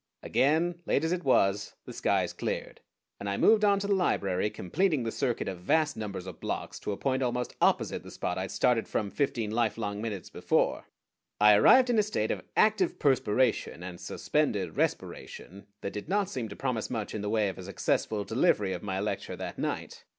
Again, late as it was, the skies cleared, and I moved on to the library, completing the circuit of vast numbers of blocks to a point almost opposite the spot I had started from fifteen lifelong minutes before. I arrived in a state of active perspiration and suspended respiration that did not seem to promise much in the way of a successful delivery of my lecture that night.